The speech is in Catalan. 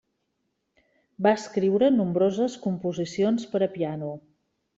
Va escriure nombroses composicions per a piano.